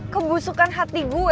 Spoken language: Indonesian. kebusukan hati gue